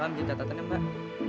paham di catatannya mbak